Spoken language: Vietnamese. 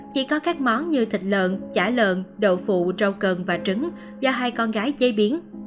chỉ có các món như thịt lợn chả lợn đậu phụ rau cần và trứng do hai con gái chế biến